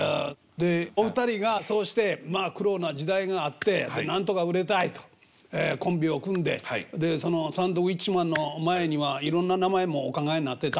でお二人がそうしてまあ苦労な時代があってなんとか売れたいとコンビを組んででそのサンドウィッチマンの前にはいろんな名前もお考えになってた？